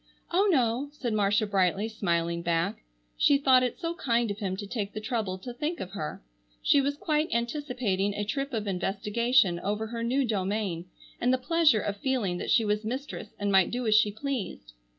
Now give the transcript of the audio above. "Oh, no!" said Marcia brightly, smiling back. She thought it so kind of him to take the trouble to think of her. She was quite anticipating a trip of investigation over her new domain, and the pleasure of feeling that she was mistress and might do as she pleased.